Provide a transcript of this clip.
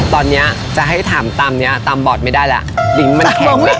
ตอนนี้จะให้ถามตามบอร์ดไม่ได้แหละ